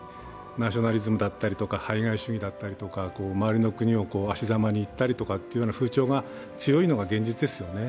ナショナリズムだったりとか排外主義だったりとか、周りの国を悪しざまに言ったとかいう風潮が強いのが現実ですよね。